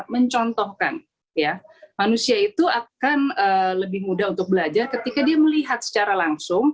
mencontohkan ya manusia itu akan lebih mudah untuk belajar ketika dia melihat secara langsung